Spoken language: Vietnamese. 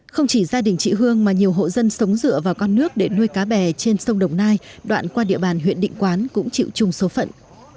không chỉ gia đình chị hương mà nhiều hộ dân sống dựa vào con nước để nuôi cá bè trên sông đồng nai đoạn qua địa bàn huyện định quán cũng chịu chung số phận